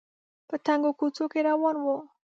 په تنګو کوڅو کې روان و